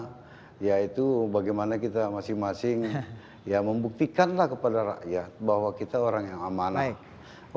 soal ott dan sebagainya ya itu bagaimana kita masing masing ya membuktikanlah kepada rakyat bahwa kita orang yang amanah